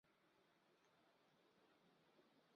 沃沙西。